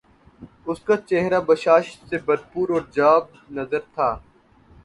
اس کا چہرہ بشاشت سے بھر پور اور جاب نظر تھا